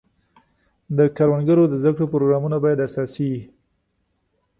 د کروندګرو د زده کړو پروګرامونه باید اساسي وي.